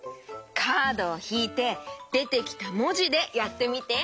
カードをひいてでてきたもじでやってみて。